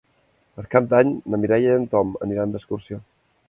Per Cap d'Any na Mireia i en Tom aniran d'excursió.